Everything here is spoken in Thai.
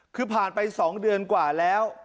คือผ่านไป๒เดือนกว่าแล้ว